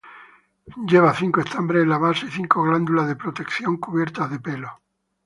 Lleva cinco estambres en la base y cinco glándulas de protección cubiertas de pelo.